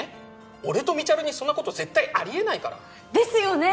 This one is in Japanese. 俺とみちゃるにそんなこと絶対ありえないからですよね